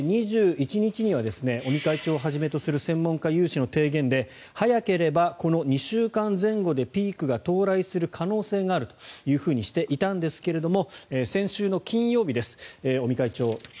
２１日には尾身会長をはじめとする専門家有志の提言で早ければこの２週間前後でピークが到来する可能性があるとしていたんですが先週金曜日、尾身会長